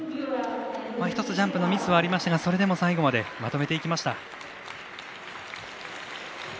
１つ、ジャンプのミスはありましたがそれでも最後までまとめていきました。